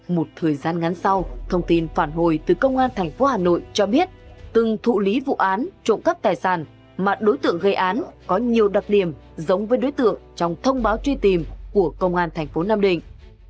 một thời gian ngắn sau thông tin phản hồi từ công an tp hà nội cho biết từng thụ lý vụ án trộm cắp tài sản mà đối tượng gây án có nhiều đặc điểm giống với đối tượng trong thông báo truy tìm của công an thành phố nam định